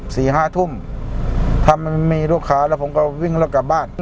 สี่ห้าทุ่มถ้ามันมีลูกค้าแล้วผมก็วิ่งแล้วกลับบ้าน